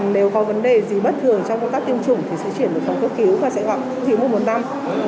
nếu có vấn đề gì bất thường trong công tác tiêm chủng thì sẽ chuyển đến phòng cướp cứu và sẽ gặp cứu mũi một năm